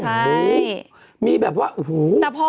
ใช่มีแบบว่าโอ้โห